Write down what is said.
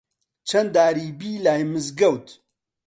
چەن داری بی لای مزگەوت